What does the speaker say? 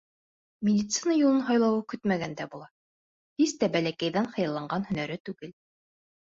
Медицина юлын һайлауы көтмәгәндә була, һис тә бәләкәйҙән хыялланған һөнәре түгел.